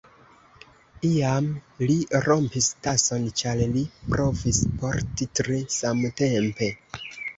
Iam li rompis tason, ĉar li provis porti tri samtempe.